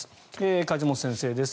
梶本先生です。